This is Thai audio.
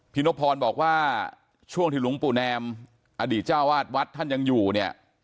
นพพรบอกว่าช่วงที่หลวงปู่แนมอดีตเจ้าวาดวัดท่านยังอยู่เนี่ย